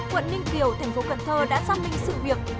quận ninh kiều tp hcm đã xác minh sự việc